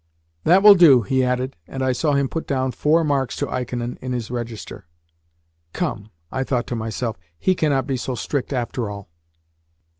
"That will do," he added, and I saw him put down four marks to Ikonin in his register. "Come!" I thought to myself. "He cannot be so strict after all."